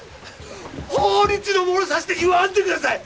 法律のものさしで言わんでください！